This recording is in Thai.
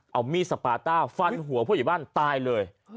เอามีดสปาต้าฟันหัวผู้ใหญ่บ้านตายเลย